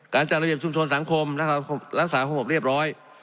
การจัดระเบียบชุมชนสังคมและรักษาสมมุมเรียบร้อย